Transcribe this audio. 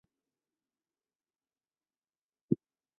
故事主角高坂兄妹的家是在千叶县。